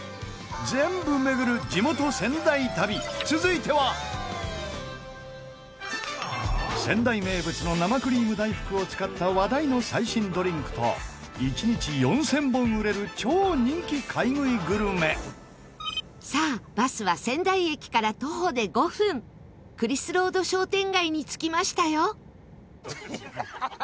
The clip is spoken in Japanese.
全部巡る、地元・仙台旅続いては仙台名物の生クリーム大福を使った話題の最新ドリンクと１日４０００本売れる超人気買い食いグルメさあ、バスは仙台駅から徒歩で５分クリスロード商店街に着きましたよ